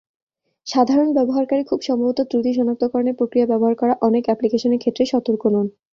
সাধারণ ব্যবহারকারী খুব সম্ভবত ত্রুটি সনাক্তকরণের প্রক্রিয়া ব্যবহার করা অনেক অ্যাপ্লিকেশনের ক্ষেত্রেই সতর্ক নন।